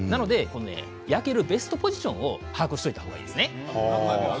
焼けるベストポジションを把握しておいた方がいいですね。